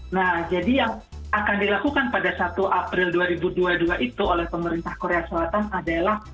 nah jadi yang akan dilakukan pada satu april dua ribu dua puluh dua itu oleh pemerintah korea selatan adalah